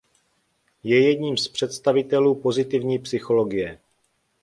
Je jedním z představitelů pozitivní psychologie.